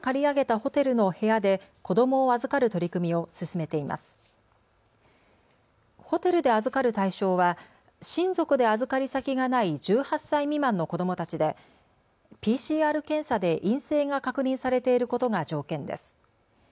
ホテルで預かる対象は親族で預かり先がない１８歳未満の子どもたちでＰＣＲ検査で陰性が確認されていることが条件です。